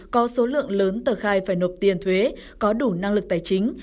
có số lượng lớn tờ khai phải nộp tiền thuế có đủ năng lực tài chính